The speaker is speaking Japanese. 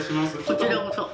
こちらこそ。